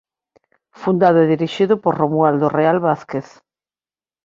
Fundado e dirixido por Romualdo Real Vázquez.